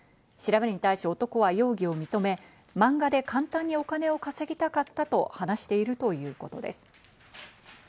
調べに対し男は容疑を認め、漫画で簡単にお金を稼ぎたかったと話しているということです。